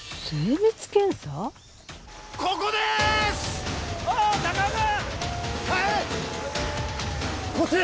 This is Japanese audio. ここです！